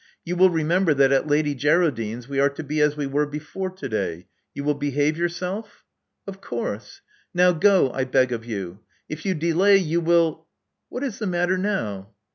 You will remember that at Lady Geraldine's we are to be as we were before to day. You will behave yourself?" Of course." Now go, I beg of you. If you delay, you will — what is the matter now?"